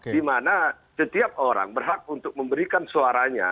di mana setiap orang berhak untuk memberikan suaranya